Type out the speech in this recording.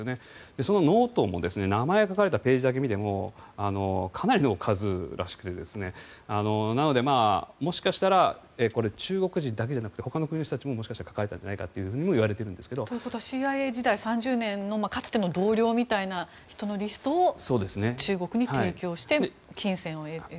そのノートも名前が書かれたページだけ見てもかなりの数らしくてなので、もしかしたら中国人だけじゃなくてほかの国の人たちも書かれていたんじゃないかともということはＣＩＡ時代のかつての３０年の同僚みたいな人のリストを中国に提供して金銭を得るという。